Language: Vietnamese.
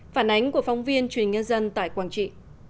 phản ánh của phóng viên truyền hình nhân dân tại quảng trị